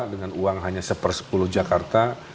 dengan uang hanya satu per sepuluh jakarta